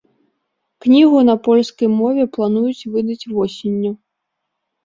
Кнігу на польскай мове плануюць выдаць восенню.